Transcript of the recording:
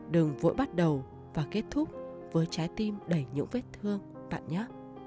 đừng vội bắt đầu và kết thúc với trái tim đẩy những vết thương bạn nhé